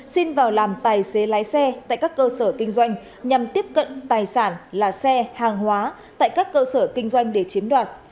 xin vào làm tài xế lái xe tại các cơ sở kinh doanh nhằm tiếp cận tài sản là xe hàng hóa tại các cơ sở kinh doanh để chiếm đoạt